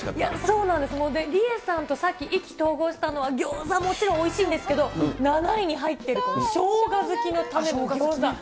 そうなんです、理恵さんとさっき意気投合したのはギョーザ、もちろんおいしいんですけれども、７位に入ってる、この生姜好きのためのギョーザ。